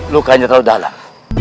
lukanya terlalu dalam